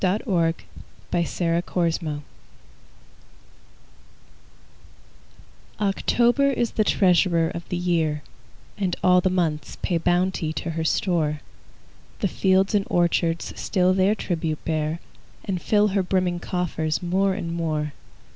Paul Laurence Dunbar October OCTOBER is the treasurer of the year, And all the months pay bounty to her store: The fields and orchards still their tribute bear, And fill her brimming coffers more and more.